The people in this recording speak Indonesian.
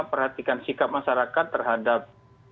perhatikan sikap masyarakat terhadap